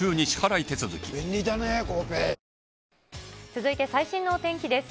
続いて、最新のお天気です。